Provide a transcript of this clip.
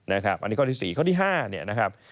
อันนี้ข้อที่สี่ข้อที่ห้า